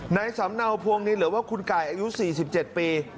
ในสำเนาพวงนินหรือว่าคุณไก่อายุ๔๗ปี